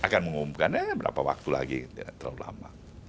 akan mengumumkannya eh berapa waktu lagi tidak terlalu lama